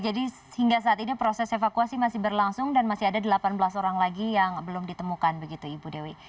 hingga saat ini proses evakuasi masih berlangsung dan masih ada delapan belas orang lagi yang belum ditemukan begitu ibu dewi